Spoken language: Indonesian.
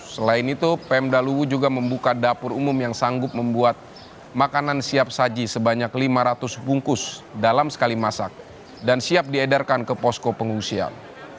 selain itu pemdaluwu juga membuka dapur umum yang sanggup membuat makanan siap saji sebanyak lima ratus bungkus dalam sekali masak dan siap diedarkan ke posko pengungsian